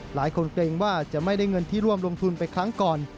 เกรงว่าจะไม่ได้เงินที่ร่วมลงทุนไปครั้งก่อน